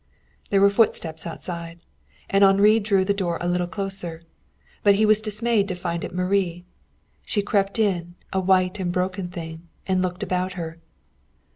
There were footsteps outside, and Henri drew the door a little closer. But he was dismayed to find it Marie. She crept in, a white and broken thing, and looked about her.